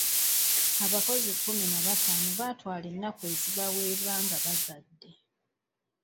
Abakozi kkumi na bataano baatwala ennaku ezibaweebwa nga bazadde.